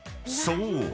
［そう。